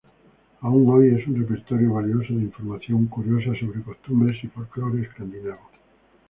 Aún hoy es un repertorio valioso de información curiosa sobre costumbres y folclore escandinavo.